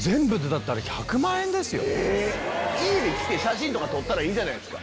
家で着て写真とか撮ったらいいじゃないですか。